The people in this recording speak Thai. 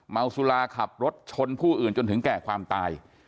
เมาสุราขับรถชนผู้อื่นจนถึงแก่ความตาย